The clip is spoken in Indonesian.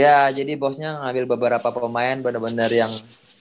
ya jadi bosnya ngambil beberapa pemain bener bener yang